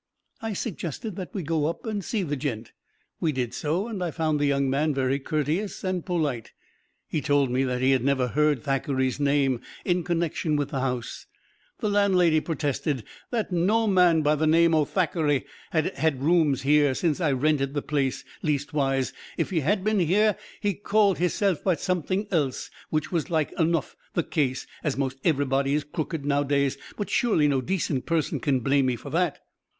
I suggested that we go up and see the "gent." We did so, and I found the young man very courteous and polite. He told me that he had never heard Thackeray's name in connection with the house. The landlady protested that "no man by the name o' Thack'ry has had rooms here since I rented the place; leastwise, if he has been here he called hisself by sumpthink else, which was like o'nuff the case, as most ev'rybody is crooked now'days but surely no decent person can blame me for that!"